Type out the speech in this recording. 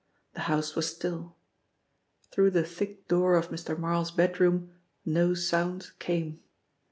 The house was still. Through the thick door of Mr. Marl's bedroom no sound came.